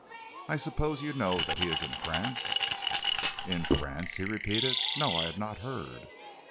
"I suppose you know that he is in France?" "In France?" he repeated. "No, I had not heard."